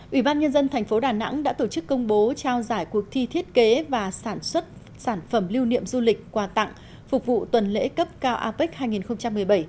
ủy ban nhân dân thành phố đà nẵng đã tổ chức công bố trao giải cuộc thi thiết kế và sản xuất sản phẩm lưu niệm du lịch quà tặng phục vụ tuần lễ cấp cao apec hai nghìn một mươi bảy